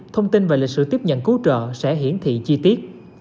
thông tin về lịch sử tiếp nhận cứu trợ sẽ hiển thị chi tiết